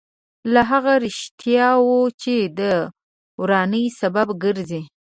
له هغه رښتیاوو چې د ورانۍ سبب ګرځي.